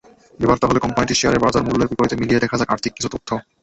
এবার তাহলে কোম্পানিটির শেয়ারের বাজারমূল্যের বিপরীতে মিলিয়ে দেখা যাক আর্থিক কিছু তথ্য।